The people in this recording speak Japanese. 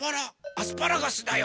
アスパラガスだよ！